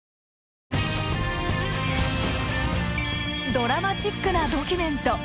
ドラマチックなドキュメント。